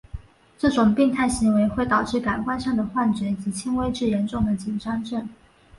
这种病态行为会导致感官上的幻觉及轻微至严重的紧张症。